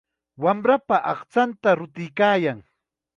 Wamrapa aqchanta rutuykaayan.